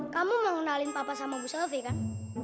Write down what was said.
kamu mau ngenalin papa sama bu selvi kan